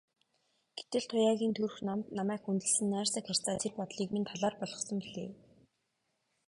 Гэтэл Туяагийн төрх намба, намайг хүндэлсэн найрсаг харьцаа тэр бодлыг минь талаар болгосон билээ.